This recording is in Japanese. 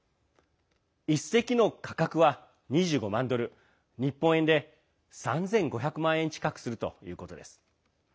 １隻の価格は２５万ドル日本円で３５００万円近くするということです。